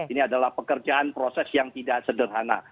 ini adalah pekerjaan proses yang tidak sederhana